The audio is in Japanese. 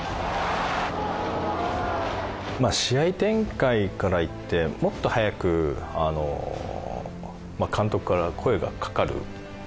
試合展開からいってもっと早く監督から声がかかる。